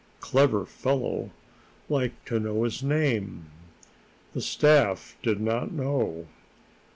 "Clever fellow. Like to know his name." The staff did not know.